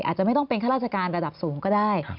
อาจจะไม่ต้องเป็นข้าราชการระดับสูงก็ได้